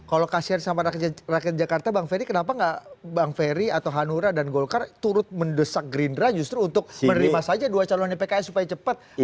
kalau kasian sama rakyat jakarta bang ferry kenapa nggak bang ferry atau hanura dan golkar turut mendesak gerindra justru untuk menerima saja dua calonnya pks supaya cepat